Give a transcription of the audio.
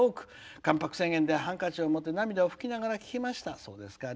「関白宣言」でハンカチで涙を拭きながら聴きました。